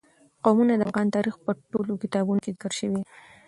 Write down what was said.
قومونه د افغان تاریخ په ټولو کتابونو کې ذکر شوي دي.